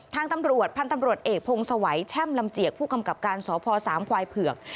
ทางตำรวจพันธ์ตำรวจเอกพงศวัยแช่มลำเจียกผู้กำกับการสพสามควายเผือก